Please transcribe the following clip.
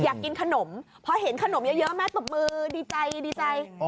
อยากกินขนมพอเห็นขนมเยอะแม่ตบมือดีใจดีใจ